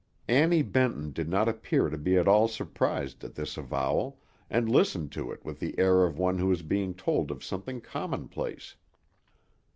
Annie Benton did not appear to be at all surprised at this avowal, and listened to it with the air of one who was being told of something commonplace.